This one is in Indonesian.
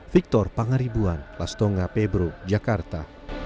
victor pangaribuan lastonga pebro jakarta